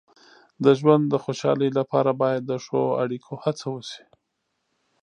د ژوند د خوشحالۍ لپاره باید د ښو اړیکو هڅه وشي.